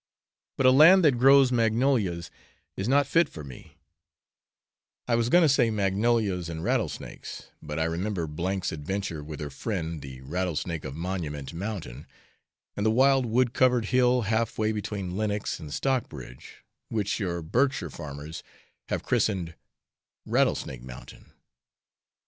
But a land that grows magnolias is not fit for me I was going to say magnolias and rattlesnakes; but I remember K 's adventure with her friend the rattlesnake of Monument Mountain, and the wild wood covered hill half way between Lenox and Stockbridge, which your Berkshire farmers have christened Rattlesnake Mountain.